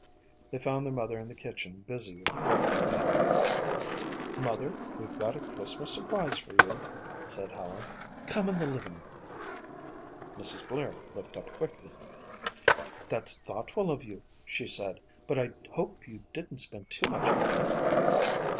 They found their mother in the kitchen busy with the evening meal. "Mother, we've got a Christmas surprise for you," said Helen. "Come in the living room." Mrs. Blair looked up quickly. "That's thoughtful of you," she said, "but I hope you didn't spend too much money."